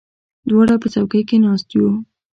دواړه په څوکۍ کې ناست یو.